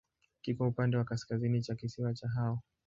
Kiko upande wa kaskazini wa kisiwa cha Hao.